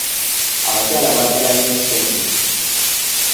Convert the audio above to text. Abakyala baagala nnyo ssente.